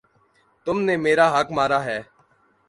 تم نے میرا حق مارا ہے